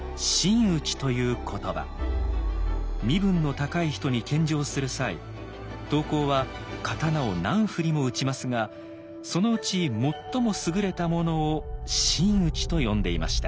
身分の高い人に献上する際刀工は刀を何振りも打ちますがそのうち最も優れたものを「真打」と呼んでいました。